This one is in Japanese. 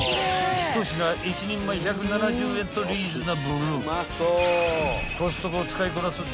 ［１品１人前１７０円とリーズナブル］